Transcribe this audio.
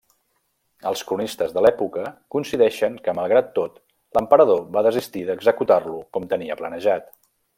Els cronistes de l'època coincideixen que malgrat tot l'emperador va desistir d'executar-lo com tenia planejat.